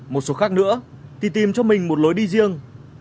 một số khác nữa thì tìm cho mình một lối đi riêng